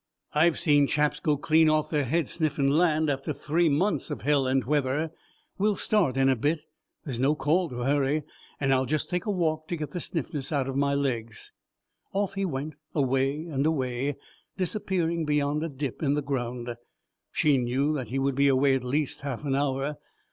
I've seen chaps go clean off their heads sniffin' land after three months of hell and weather. We'll start in a bit, there's no call to hurry, and I'll just take a walk to get the stiffness out of my legs." Off he went, away and away, disappearing beyond a dip in the ground. She knew that he would be away at least half an hour.